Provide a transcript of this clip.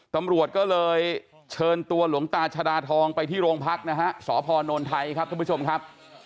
ตำรวจก็เลยเชิญตัวหลวงตาชดาทองไปที่โรงพักนะฮะสพนไทยครับท่านผู้ชมครับ